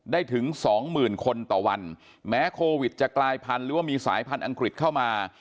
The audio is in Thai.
ถึงสองหมื่นคนต่อวันแม้โควิดจะกลายพันธุ์หรือว่ามีสายพันธุ์อังกฤษเข้ามา